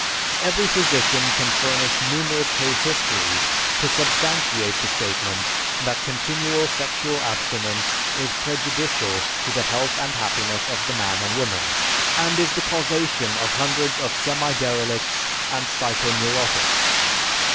Every physician can furnish numerous case histories to substantiate the statement that continual sexual abstinence is prejudicial to the health and happiness of the man and woman, and is the causation of hundreds of semiderelicts and psychoneurotics.